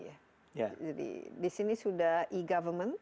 jadi disini sudah e government